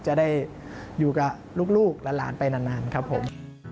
จะได้อยู่กับลูกหลานไปนานครับผม